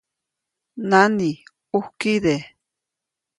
¡Nani, ʼujkide!